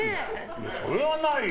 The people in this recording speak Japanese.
それはないよ！